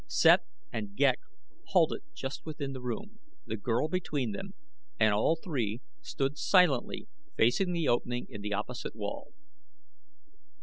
Sept and Ghek halted just within the room, the girl between them, and all three stood silently facing the opening in the opposite wall.